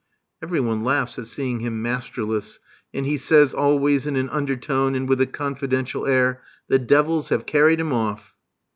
Every one laughs at seeing him masterless; and he says, always in an under tone and with a confidential air: "The devils have carried him off!"